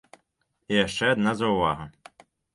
І яшчэ адна заўвага.